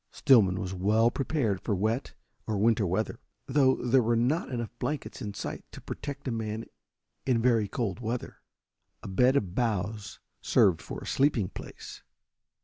Stillman was well prepared for wet or winter weather, though there were not enough blankets in sight to protect a man in very cold weather. A bed of boughs served for a sleeping place.